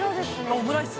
オムライス？